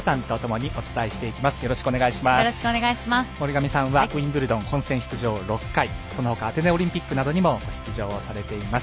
森上さんはウィンブルドン本戦出場６回そのほかアテネオリンピックなど出場されています。